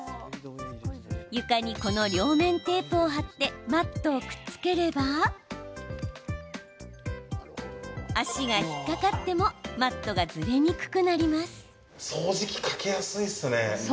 床に、このテープを貼ってマットをくっつければ足が引っ掛かってもマットがずれにくくなります。